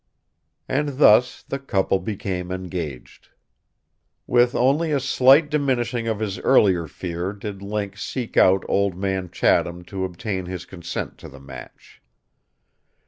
And thus the couple became engaged. With only a slight diminishing of his earlier fear did Link seek out Old Man Chatham to obtain his consent to the match.